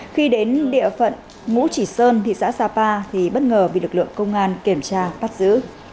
khi đến địa phận ngũ chỉ sơn thị xã sa pha thì bất ngờ vì lực lượng công an kiểm tra bắt giữ